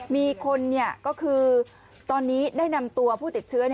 มีคนก็คือตอนนี้ได้นำตัวผู้ติดเชื้อ